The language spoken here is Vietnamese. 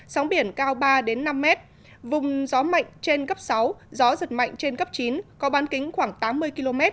sau ba đến năm mét vùng gió mạnh trên cấp sáu gió giật mạnh trên cấp chín có bán kính khoảng tám mươi km